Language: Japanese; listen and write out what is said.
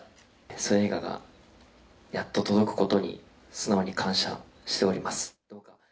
その映画がやっと届くことに、素直に感謝しております。